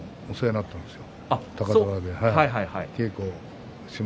お世話になっているんですよ